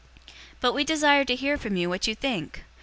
028:022 But we desire to hear from you what you think.